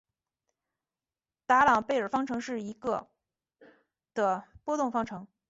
达朗贝尔方程是一个的波动方程。